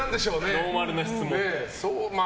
ノーマルな質問。